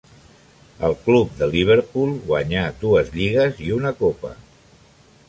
Al club de Liverpool guanyà dues lligues i una copa.